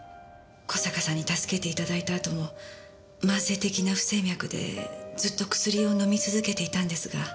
小坂さんに助けていただいたあとも慢性的な不整脈でずっと薬を飲み続けていたんですが。